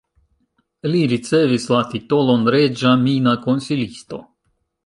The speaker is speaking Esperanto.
Li ricevis la titolon reĝa mina konsilisto.